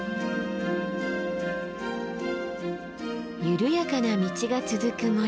緩やかな道が続く森。